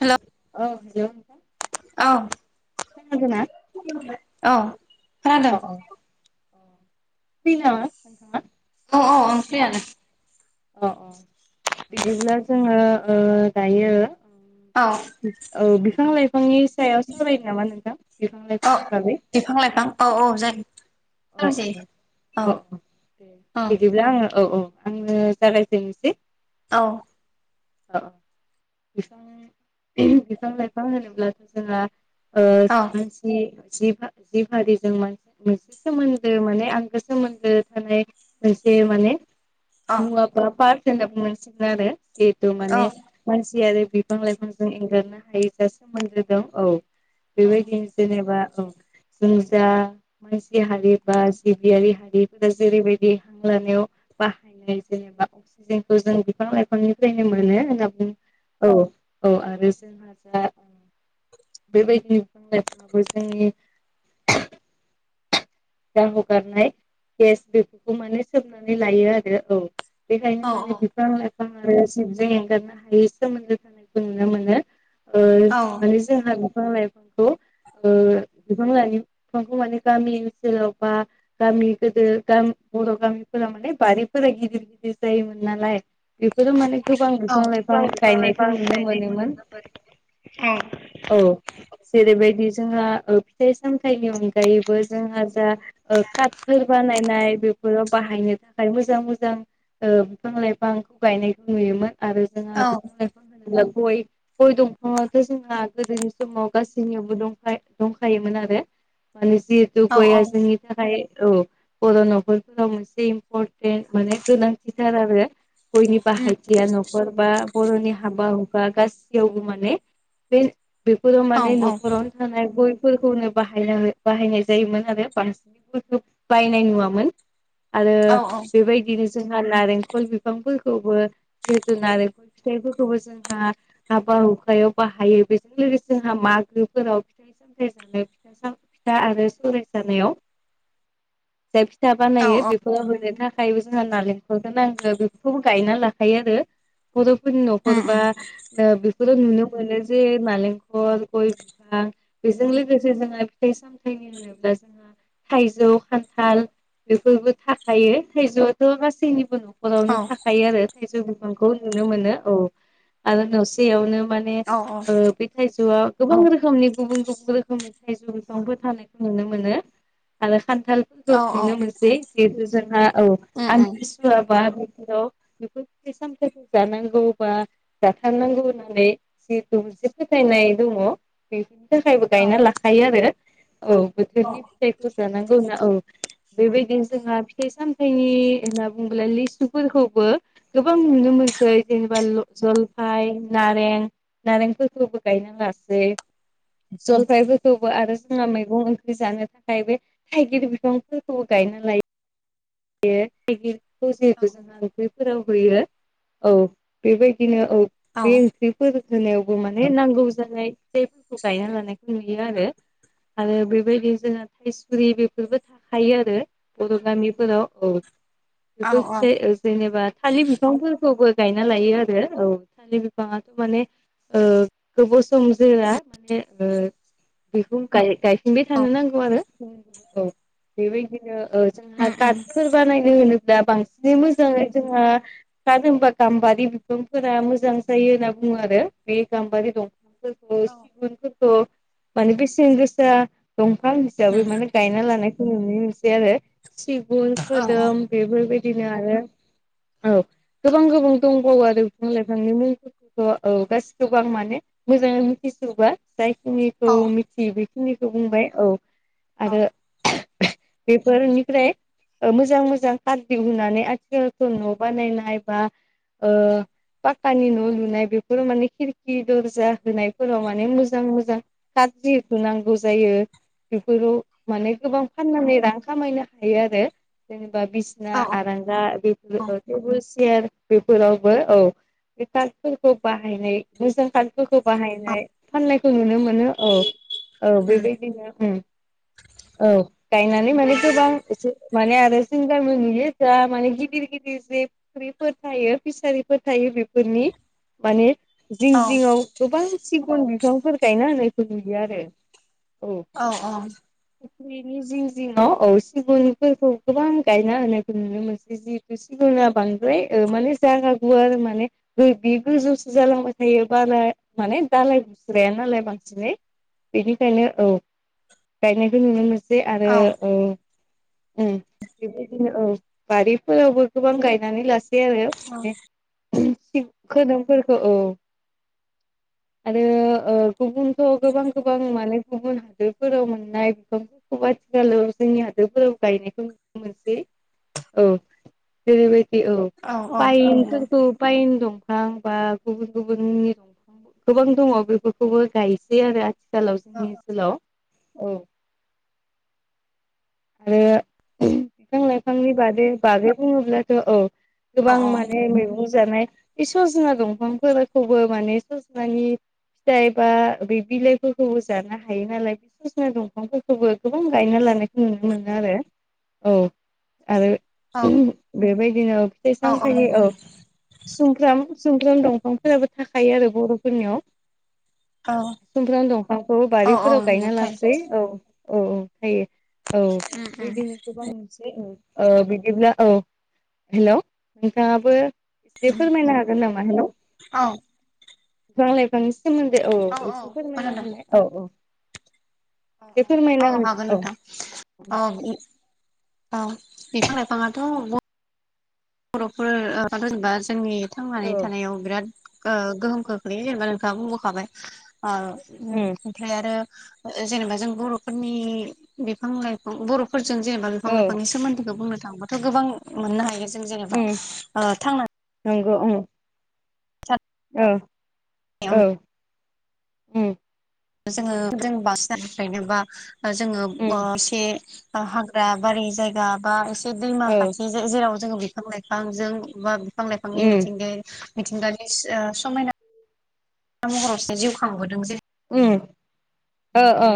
हेल' औ हेल' नोंथां खनांग ना [unintelligible] औ। औ खोनादों औ औ फै नामा नोंथाङा [unintelligible] अ अ ओंस्रियानो [unintelligible] अ'अ' बिदिब्ला जोङो ओदायो औ। औ बिफां - लाइफांनि सायाव सोलायो नामा नोंथां बिफां औ लाइफांनि बागै बिफां - लाइफां औ - औ जायो। अ सावरायजायो 'अ औ 'अ' अ 'दे औ बिदिब्ला आङो औ - औ। आं थाराय तनोसि [unintelligible] औ। अ'‌ बिफां बिफां लाइफां होनोब्लासो जोंहा ओ औ मानसि जि जि हारिजोंा [unintelligible] नसि मोनसे सोमोन्दो माने आंगो सोमोन्दो थानाय मोनसे माने मुवा ा पारसेन्टाब मोनसिग आरो जिेतु औ माने [unintelligible] मानसि आरो बिफां - लाइफांजों एंगारनो हायै जा सोमोन्दो दं औ बेबायदिनो जेनेबा जों जा मानसि हारि बा जिबियारि हारिफोरा जेरैबायदि हां लानायाव बाहायनाय जेनेबा [unintelligible] सि जखौ जों बिफां लाइफांनिफ्रायनो मोनो होननाुङो [unintelligible] औ औ आरो सोरोंहााजा [unintelligible] बेबायदि बिं लाइफाङाबो जोंनि दा हगारनाय गेस बेफोरखौ माने सोमनानै लायो आरो औ। बेखायनो माने बिफां लाइफां आरो जिबजों एंगारनो हायै सोमोन्दो थानायखौ नुनो मोनो [unintelligible] आ औ औ माने [unintelligible] जोंहा बिफां -लाइफांखौ ओ बिफां लाइफांखौ माने गामि जेन'बा गामि गोदो गामि -बर' गामिफोरा माने बारिफोरा गिदिर गिदिर जायोमोन नालाय बेफोरनो माने गोबां औ बिफां -लाइफां गायनायखौ नुनो मोनोमोन। औ जेरैबायदि जोंहा फिथाइ -सामथाइनि अनगायैबो जोंहा काथफोर बानायनाय बे बाहायनो थाखाय मोजां -मोजां बिफां -लाइफांखौ गायनायखौ नुयोमोन। आरो जोंहा बिफां -लाइफां गय' गय दंफाङाथ' जोंहा गोदोनि समाव गासैनियावबो दं- दंखायोमोन आरो माने जिहेतु गयया जोंनि थाखायाय औ बर' न'खरफोराव मोनसे इम्परटेन्ट माने गोनांथिथार आरो। गयनि उम बाहायथिया न'खर बा बर'नि हाबा -हुखा गासैयावबो माने बे बेफोराव औ माने न'खरावनो थानाय गयफोरखौनो बाहायना बाहायनाय जायोमोन। बांसिननानो बायनाय नुआमोन आरो औ बेबायदिनो जोंहा नारेंखल बिफांफोरखौबो जिहेतु नारेंखल फिथाइफोरखौबो जोंहा हाबा- हुखायाव बाहायो बेजों लोगोसे जोंहा मागोफोराव स जानो फिथा आरो स [unintelligible] जानायाव जाय फिथा औ बानायो बे होनो थाखायबो जोंहा नारेंखलखौ नांगौ बेफोरखौबो गायना लाखायो आरो। बर'फोरनि उम न'खर बा उम नुनो मोनो। जे नालेंखल, गय बिफां बेजों लोगोसे जोंहा फिथाइ-सामथाइ [unintelligible] थाइजौ- खान्थाल बेफोरबो थाखायो थाइजौआथ' गासैनिबो औ हरावनो थाखायो आरो जों बिखौ नुनो मोनो औ आरो न'सेयावनो माने औ आ बे [unintelligible] थाइजौआ गोबां रोखोमनि गुबुन- गुबुन रोखोमनि थाइजौ बिफांफोर थानायखौ नुनो मोनो। आरो खान्थालफोरखौ औ नुनो मोनसै जिहेतु जोंहा औ उम उम ुव बााव बेफोर सामखाय जानांगौ बा [unintelligible] जाथारनांगौ होननानै जिहेथु मोनसे फोथायनाय दङ। बेफोरनि थाखायबो औ गायना लाखायो आरो औ औ बोथोरनि फिथाइखौ जानांगौ होनना औ। बेबायदिनो जोंहा फिथाइ-सामथायाइनि होनना बुङोब्ला लिसुफोरखौबो गोबां नुनो मोनसै जेनेबा जलफाय, नारें नारेंफोरखौबो गायना लासै जलफायफोरखौबो आरो जोंहा मैगंं जानो थाखाय बे थाइगिर बिफांफोरखौबो गायना लायो। खौ जिहेथु औ जोंो [unintelligible] फोराव होयो औ बेबायदिनो औ बे ओंख्रि फोर होनायावबो माने नांगौ जानाय फिाइफोरखौ गायना लानायखौ नुयो आरो। आरो बेबायदि जोंहा थाइसुरि बेफोरबो थाखायो आरो बर' गामिफोराव औ औ बे [unintelligible] जेनेबा थालिर बिफांफोरखौबो गायना लायो आरो औ थालिर बिफाङाथ' माने ओ गोबाव सम जआ माने बिह गाय [unintelligible] थंबाय थानो नांगौ आरो औ बेबायदिनो जोंहा उम उम सोरबा नायनो होनोब्ला बांसिनै मोजाङै जोंहा दानो होनोमबा गाम्बारि बिफांफोरा मोजां जायो होनना बुङो आरो बे गाम्बारि दं औ सिगफोरखौ माने बेसेन गोसा दंफां हिसाबै उम माने गायना लानायखौ नुनो मोनसै आरो सिगुन, औ औ खोदोम बेफोरबायदिनो आरो औ गोबां -गोबां दंबावो आरो बिफां -लाइफांनि मुं औ गासिखौबो आं माने मोजाङै मिथिसोबा जायखिनि औ बेखिनिखौ बुंबाय औ आरो बेफोरनिफ्राय मोजां मोजां खार दिहुनानै आथिखालखौ न' बानायनाय बा ओ पाक्कानि न' लुनाय बेफोराव माने खिरखि दर्जा होनायफोराव माने मोजां मोजां गाज्रिथ नांगौ जायो। बेफोराव माने गोबां फाननानै रां खामायनो हायो आरो जेनेबा बिसना आरांगा बेफोर थेवबोस सियार बेफोरावबो औ बे कफोरखौ बाहायनाय मोजां क [unintelligible] खौ बाहायनाय फाननायखौ नुनो मोनो औ औ बेबायदिनो उम औ गायनानै माने गोबां एसे मानि आरो जों गामियाव नुनो थाङो गिदेर गिदेर जोब फाख्रिफोर थायो फिसारिफोर थायो बेफोरनि माने जिं औ उम औ जिङाव गोबां सिगुन बिफांफोर गायना होनायखौ नुयो आरो औ। औ औ फख्रिनि जिं जिङाव औ सिगुन फोरखौ गोबां गायना होनायखौ नुनो मोनसै जिहेथु सिगुना बांद्राय ओ माने जागा गुवार माने बि बि गोजौसो जालांबाय थायो बाला माने दालाय गुस्राया नालाय बांसिनै बेनिखायनो औ गायनायखौ नुनो मोनसै आरो औ उम बेबायदिनो औ बारिफोरावबो गोबां गायनानै लासै आरो माने खोदोमफोरखौ औ आरो ओ गुबुनथ' गोबां गोबां माने गुबुन हादोरफोराव मोननाय बिफां सब आथिखालाव जोंनि हादोरफोराव गायनायखौ नुनो मोनसै औ। जेरैबायदि औ पाइनफोरखौ पाइन दं बिफां बा गुबुन गुबुननि दंफां गोबां दङ बेफोरखौबो गायसै आरो आथिखालाव जोंनि ओनसोलाव औ आरो बिफां लाइफांनि बादै बागै बुङोब्लाथ' औ गोबां माने मैगं जानाय बे स'जना दंफांफोरखौबो माने स'जनानि फिथाइ बा बे बिलाइफोरखौबो जानो हायो नालाय स'जना दंफांफोरखौबो गोबां गायना लानाय नुनो मोनो आरो औ आरो उम बेबायदिनो औ जेसां थोयो नंगौ औ सुमफ्राम सुमफ्राम दंफांफोराबो थाखायो आरो बर'फोरनियाव। थार सुमफ्राम दंफांखौ बारिफोराव गायना लासै औ औ थायो। औ उम उम बेबायदिनो गोबां ओ बिदिब्ला औ हेल' नोंथाङाबो एसे उम फोरमायनो हागोन नामा हेल' औ बिफां लाइफांनि सोमोन्दै सोमोन्दै औ एसे फोरमायना होनाय औ औ औ एसे औ फोरमायना होन हागोन औ नोंथां औ औ बिफां लाइफाङाथ' बर'फोर जेनेबा जोंनि थांनानै औ थानायाव बिराद ओ गोहोम खोख्लैयो जेनेबा नों बुंबोखाबाय ओ उम ओमफ्राय आरो जेनेबा जों बर'फोरनि बिफां लाइफां ब'र जों जेनेबा बिफां औ लाइफांनि सोमोन्दैखौ बुंनो थाङोबाथ' गोबां मोननो हायो जों जेनेबा उम थांनानै नंगौ उम। औ थानायावनो औ उम जोङो जों बांसिनानो गायनोबा ओ जोङो ओ उम से हा दा बारि जायगा बा एसे दैमा औ खाथि जेराव जोङो बिफां लाइफांजों बा बिफां लाइफांनि उम मिथिंगायै मिथिंगानि समायना महरावसो जिउ खांबोदों जे उम ओ ओ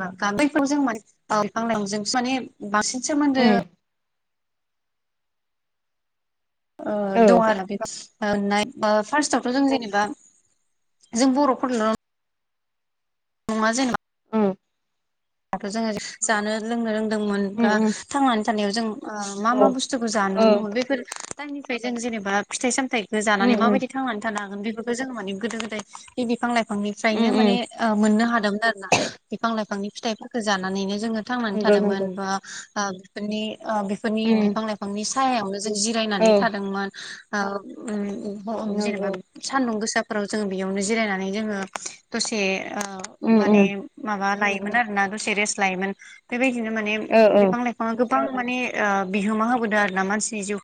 बैफोरजों [unintelligible] जों माने बांसिन सोमोन्दो ओ दं आरो बे ओ नाय फारस्वावथ'' जों जेनेबा जों बर'फोरल नङा जेनेबा दाथ' जोङो जानो लोंनो रोंदोंमोन उम बा औ उम थांनानै थानायाव जों मा मा औ बुस्थु बुसथुखौ जानो औ दङ बेफोर टामइनिफ्राय जों जेनेबा फिथाइ सामथाइखौ उम जानानै उम माबायदि थांनानै थानो हागोन बेफोरखौ जोङो माने गोदो गोदाय बे बिफां लाइफां उम बिफांनिफ्रायनो माने उम ओ मोननो हादोंमोन आरो ना बिफां लाइफांनि फिथाइफोरखौ जानानैनो जोङो थांनानै नंगौ नंगौ थादोंमोन बा ओ बेफोरनि ओ बेफोरनि उम बिफां लाइफांनि सायावनो थानो जों औ जिरायनानै थादोंमोन ओ उम अ जेनेबा नंगौ सान्दुं गोसाफोराव जोङो बेयावनो जिरायनानै जोङो दसे ओ उम माने उम माबा लायोमोन आरोना दसे रेस लायोमोन बेबायदिनो माने औ औ बिफां लाइफां गोबां माने बिहोमा होबोदों आरोना मानसिनि जिउ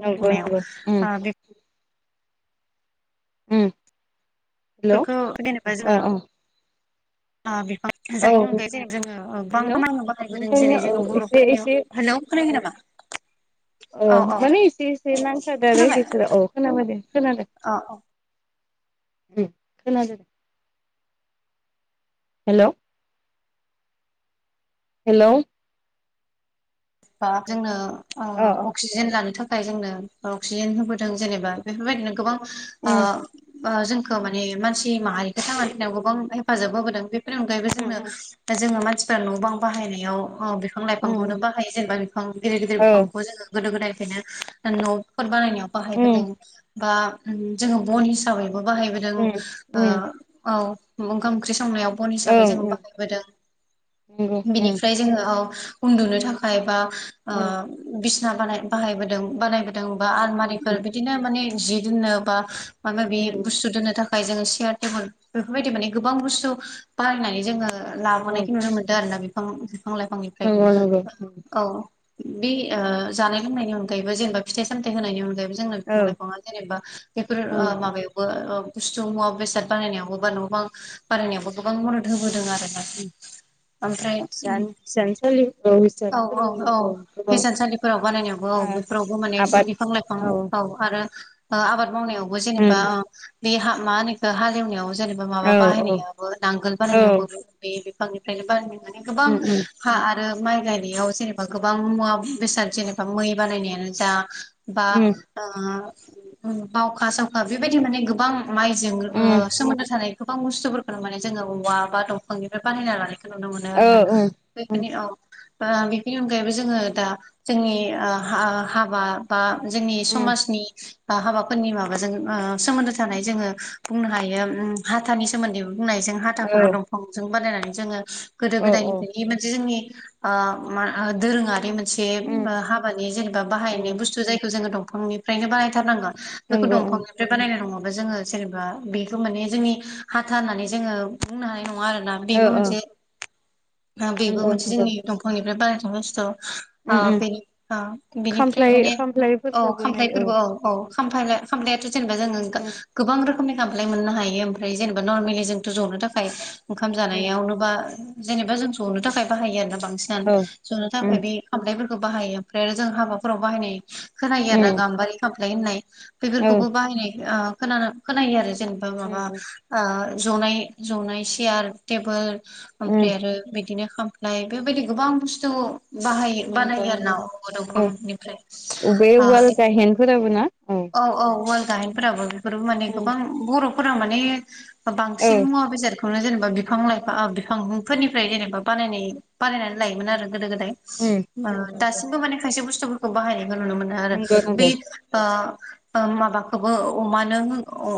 नंगौ नंगौ उम बे उम हेलौ फोरखौ जेनेबा अ अ जोङो बिफां औ जायनि अनगायै जै जोङो गोबां हेलौ खामाययाव बाहायबोदों जेरै ओंखायनो औ जोङो एसे बर'फोरनियाव एसे हेल' खोनायाखै नामा। औ माने एसे एसे नांथारादो आरो खोनाबाय बिसोरा औ खोनाबाय दे खोनादों औ औ खोनादों हेल'। हेल'। अ अ जोंनों अक्सिजेन लानो थाखाय जोंनो अक्सिजेन होबोदों जेनेबा बेफोरबायदिनो गोबां उम जोंखौो माने मानसि माहारिखौ थांनानै थानायनायाव गोबां हेफाजाब होबोदों बे बेनि अनगायैबो जोंनो उम जोङो मानसिफ्रा न' बां बाहायनायाव बिफां उम लाइफांखौनो बा जेनेबा बिफां गिदिर गिदिर औ बिफांखौ ज गोदो गोदायनिफ्रायनो न' बानायनायाव उम बाहायबोदों बा जोङो बन हिसाबैबो बाहायबोदों उम उम औ ओंखाम ओंख्रि संनायाव बन हिसाबै ओं जोङो उम बाहायबोदों नंगौ उम बेनिफ्राय जोङो उन्दुनो थाखाय बायबा उम बिसना बानाय बाहायदों बानाय बा आलमारिफोर उम बिदिनो माने जि दोननो माबा माबि उम बुस्थु दनो थाखाय जो सेयार टेबोल बेफोरबायदि माने गोबां बुस्थु बायनानै जोङो लाबोनायखौ नुनो मोनदों आरो ना बिफां लाइफांनिफ्राय औ औ नंगौ औ बे जानाय लोंनायनि अनगायैबो जेनेबा फिथाइ सामथ होनायनि अनगै जों औ बिां लाइफाङा जेनेबा बेफोर उम माबायाव बुस्थु मुवा बेसाद बानायनायावबो बा न' बां बानायनायावबो गोबां मदद होबोदों आरो हिसान हिसानसालि औ औ औ हजानसालिफोराव बानायनायावबो औ बेफोरावबो माने आबाद बिफां लाइफां औ आरो आबाद उम मावनायावबो जेनेबा बे मा होनोखौ हालेवनायाव जेनेबा माबा औ औ बाहायनायावो नांगोल औ बानायनायावबो बे बिफांनिफ्रायनो बानायनाय मान गोबां उम उम हा आरो माइ गायनायाव जेनेबा गोबां मुवा बेसाद जेनेबा मै बानायनायानो जा बा उम बावखा सावखा बेबायदि माने गोबां माइजों उम सोमोन्दो थानाय गोबां बुस्थुफोरखौनो माने जोङो औवा बा दंफांनिफ्राय बानायना लानाय नुनो मोनो औ उम उम बैफोरनि औ बेफोरनि अनगायैबो जोङो दा जोंनि हाबा बा जोंनि उम समाजनि हाबाफोरनि माबाजों सोमोन्दो थानाय जोङो बुंनो हायो हाथानि सोमोन्दैबो बुंनायजों हाथाखौबो औ दंफांजों बानायनानै जोङो गोदो औ औ गोदायनिफ्राय मोनसे जोंनि आ दोरोङारि मोनसे उम हाबानि जेनेबा बाहायनाय उम बुस्थु जायखौ जोङो दंफांनिफ्रायनो बानायथारनांगोन बेखौ नंगौ दंफां उम बे बानायनाय नङाबा जोङो जेनेबा बेखौ माने जोंनि हाथा होननानै जोङो बुंनो हानाय नङा आरोना। औ बेबो औ मोनसे ओ बेबो नंगौ मोनसे नंगौ जोंनि दंफांनिफ्राय बानायनाय बस्थु ओ उम उम बे ओ बेनि बेनिफ्राय खामफ्लाय माने औ खामफ्लायफोरखौबो नै खाम्लाय फोरबो औ औ खामफाला-खामफ्लायाथ' जेनेबा जोङो उम गोबां रोखोमनि खामफ्लाय मोननो हायो ओमफ्राय जेनेबा नर्मेलि जोंथ' ज'नो थाखाय ओंखाम उम जानायावनो बा जेनेबा जों जनो थाखाय बाहायो आरोना बांसिनानो औ जनो उम थाखाय बै खामफ्लायफोरखौ बाहायो ओमफ्राय आरो जों हाबाफोराव बाहायनाय खोनायो आरो ना उम गाम्बारि खामफ्लाय होननाय औ बेफोरखौबो बाहायनाय ओ खोनानो खोनायो आरो जेनेबा उम माबा उम ओ जनाय जनाय सियार टेबोल उम ओमफ्राय आरो बिदिनो खाम फ्लाइ बेबायदि गोबां बुस्थु बाहायो नंगौ बानायो आरो ना नंगौ अगर दंफांनिफ्राय ओ फोरावो ना औ औ औ वाल गायेनफोराबो बेफोरबो माने उम गोबां बर'फोरा माने औ बांसिन मुवा बेसाद बेखौनो जेनेबा बिफां लाइफां बिफांफोरनिफ्राय जेनेबा बानायनाय बानायनानै लायोमोन आरो गोदो गोदाय उम उम नंगौ दासिमबो माने खायसे बुस्थुफोरखौ बाहायनायखौ नुनो मोनो आरो नंगौ नंगौ बे ओ ओं माबाखौबो अमानो [unintelligible] अ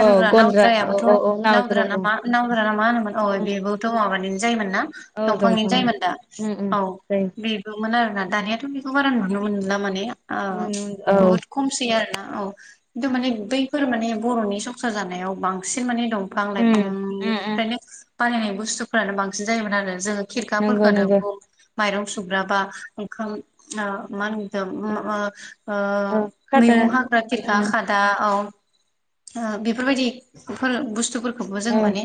औ होग्रा गन्द्रा औ नावद्रायाबोथ' औ औ नावद्रा ना मा औ नावद्रा ना मा होनोमोन अ बेबो थ' माबानिनो जायोमोन ना औ दंफांनिनो दंफां जायोमोन दा उम उम औ जायो बे मोन आरोना दानियाथ' बेखौ बारा नुनो मोनला माने आ उम उम औ बुहुत खमसै आरो ना औ खिन्थु माने बैफोर माने बर'नि संसार जानायाव बांसिन माने दं फां उम उम उम लाइफांनिफ्रायनो बानायनाय बुस्थुफोरानो बांसिन जायोमोन आरो जोङो नंगौ खिरखाफोरखौनो नंगौ बुं माइरं सुग्राबा ओंखाम ओ मानदो ओम ओ ओ खादा मैगं हाग्रा खेरखा उम खादायाव औ ओ बेफोरबायदि बेफोर बुस्थुफोरखौबो जों औ माने